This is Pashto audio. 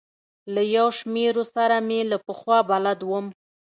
له یو شمېرو سره مې له پخوا بلد وم.